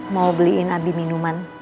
mau beliin habis minuman